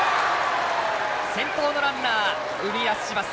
先頭のランナー生み出します。